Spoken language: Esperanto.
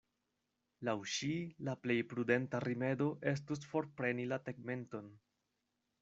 Laŭ ŝi la plej prudenta rimedo estus forpreni la tegmenton.